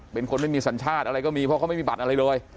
เป็นคนไม่มีสัญชาติอะไรก็มีเพราะเขาไม่มีบัตรอะไรเลย